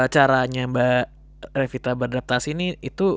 caranya mbak revita beradaptasi ini itu